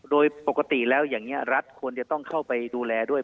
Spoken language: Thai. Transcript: โดยปกติแล้วอย่างนี้รัฐควรจะต้องเข้าไปดูแลด้วย